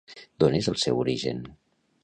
D'on és el seu origen?